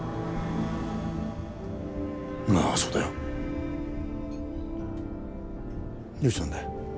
ああそうだよどうしたんだ？